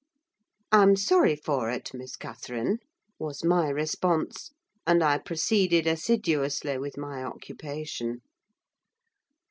"I'm sorry for it, Miss Catherine," was my response; and I proceeded assiduously with my occupation.